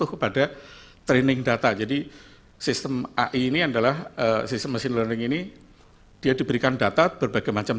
kepada training data jadi sistem ai ini adalah sistem mesin learning ini dia diberikan data berbagai macam